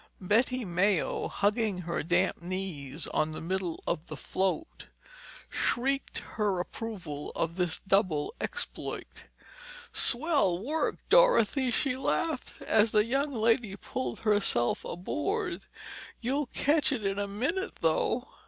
Betty Mayo, hugging her damp knees on the middle of the float, shrieked her approval of this double exploit. "Swell work, Dorothy!" she laughed as that young lady pulled herself aboard. "You'll catch it in a minute though!"